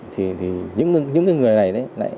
thì những người này